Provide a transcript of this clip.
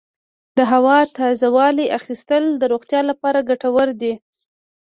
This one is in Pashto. د هوا تازه والي اخیستل د روغتیا لپاره ګټور دي.